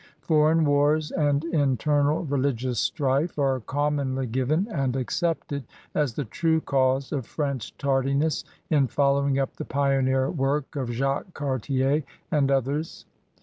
Foreign wars and internal religious strife are commonly given and accepted as the true cause of French tardiness in f oUowing up the pioneer work of Jacques Cartier and others.